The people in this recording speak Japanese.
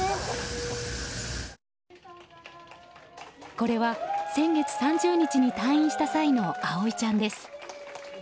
これは先月３０日に退院した際の葵ちゃんです。